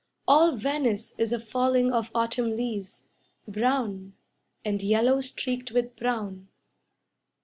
All Venice is a falling of Autumn leaves Brown, And yellow streaked with brown.